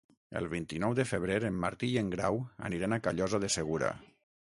El vint-i-nou de febrer en Martí i en Grau aniran a Callosa de Segura.